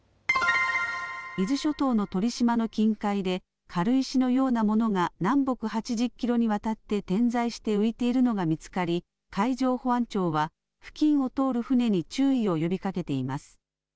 伊豆諸島の鳥島の近海で軽石のようなものが南北８０キロにわたって点在して浮いているのが見つかり海上保安庁は付近を通る船に注意を呼びかけています。